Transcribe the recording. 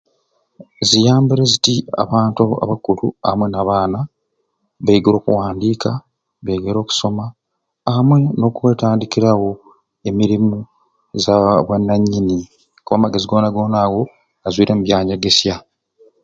Ziyambire ziti abantu abakulu amwei nabaana begere okuwandika, begere okusoma amwei nokwetandikirawo emirimu zabwa nanyini kuba amagezi gona gona ago gazwiire mubya nyegesya.